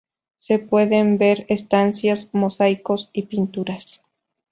Se pueden ver estancias, mosaicos y pinturas.